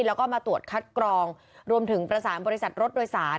แล้วก็มาตรวจคัดกรองรวมถึงประสานบริษัทรถโดยสาร